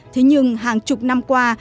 thế nhưng hàng chục năm qua